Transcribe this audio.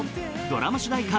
ドラマ主題歌